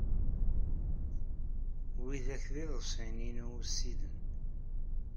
Widak d iḍebsiyen-inu ussiden.